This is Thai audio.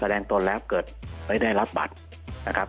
แสดงตนแล้วเกิดไม่ได้รับบัตรนะครับ